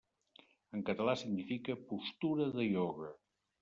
En català significa 'postura de ioga'.